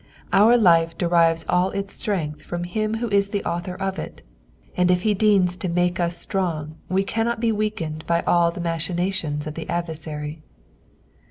Our life derives all its strength from him who is the author of it ; and if he deigns to make us strong we cannot be weakened by all the machinations of the adversary.